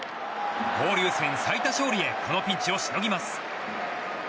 交流戦最多勝利へこのピンチをしのぎます。